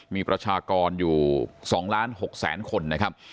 มีประชากรอยู่๒๖๐๐๐คนนะครับ